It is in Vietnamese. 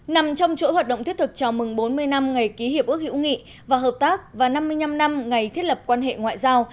nằm trong chuỗi hoạt động thiết thực chào mừng bốn mươi năm ngày ký hiệp ước hữu nghị và hợp tác và năm mươi năm năm ngày thiết lập quan hệ ngoại giao